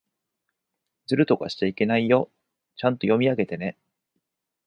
ずるとかしちゃいけないよ。ちゃんと読み上げてね。